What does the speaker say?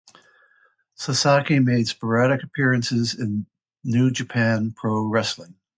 Sasaki made sporadic appearances in New Japan Pro Wrestling.